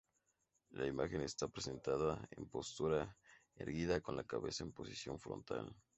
La imagen está presentada en postura erguida con la cabeza en posición frontal.